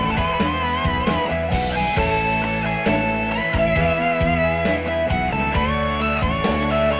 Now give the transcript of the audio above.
เป็นดังไดน้องอ่อคว้างหักปะอั่นคือกับดักห่านหัวใจ